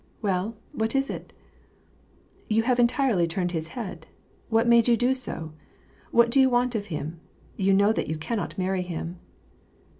" Well, what is it ?"" You have entirely turned his head. What made you do so ? What do you want of him ? You know that you cannot marry him.''